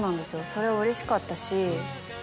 それはうれしかったし。